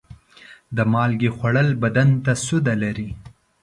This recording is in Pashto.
د مالګې خوړل بدن ته سوده لري.